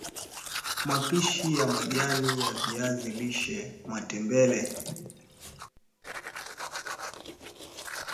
mapishi ya majani ya viazi lishe matembele